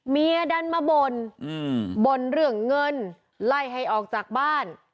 เมียดันมาบ่นบ่นเรื่องเงินไล่ให้ออกจากบ้าน